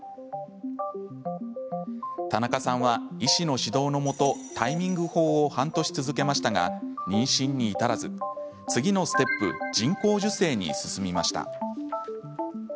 田中さんは、医師の指導のもとタイミング法を半年続けましたが妊娠に至らず、次のステップ人工授精に進みました。